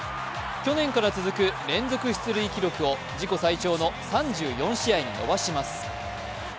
去年から続く連続出塁記録を自己最長の３４試合に伸ばします。